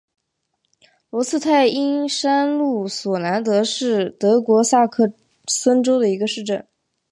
罗茨泰因山麓索兰德是德国萨克森州的一个市镇。